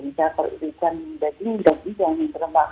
misalnya kalau ikan daging tidak bisa yang berlemak